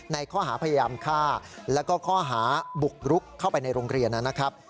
ในข้อหาพยายามฆ่าแล้วก็ข้อหาบุกรุกเข้าไปในโรงเรียนนะครับ